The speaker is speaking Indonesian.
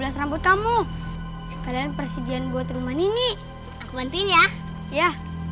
sampai jumpa di video selanjutnya